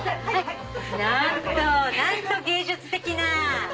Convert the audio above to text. なんとなんと芸術的な！